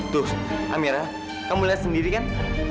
tuh amera kamu lihat sendiri kan